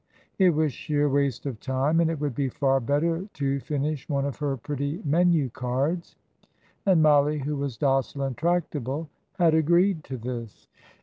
It was sheer waste of time, and it would be far better to finish one of her pretty menu cards; and Mollie, who was docile and tractable, had agreed to this.